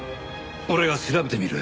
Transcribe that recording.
俺が調べてみる。